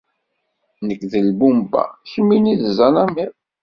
Nekk d lbumba, kemmini d zzalamiḍ.